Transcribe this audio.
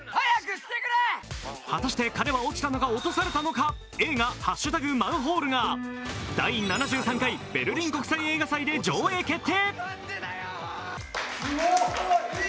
果たして彼は落ちたのか落とされたのか映画「＃マンホール」が第７３回ベルリン国際映画祭で上演決定。